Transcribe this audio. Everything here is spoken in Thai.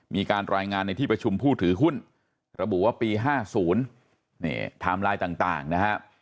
มีการรายงานในที่ประชุมผู้ถือหุ้นระบุว่าปี๕๐นี่ไทม์ไลน์ต่างนะฮะ